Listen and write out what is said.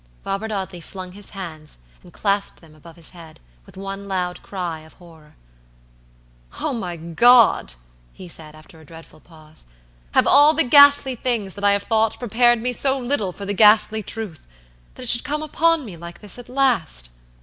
Robert Audley flung his hands and clasped them above his head, with one loud cry of horror. "Oh, my God!" he said, after a dreadful pause; "have all the ghastly things that I have thought prepared me so little for the ghastly truth, that it should come upon me like this at last?"